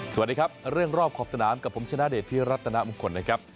สวัสดีครับเรื่องรอบขอบสนามกับผมชนะเดชพิรัตนามงคลนะครับ